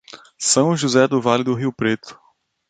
São José do Vale do Rio Preto